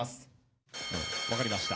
分かりました。